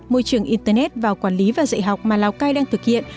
môi trường internet vào quản lý và dạy học mà lào cai đang thực hiện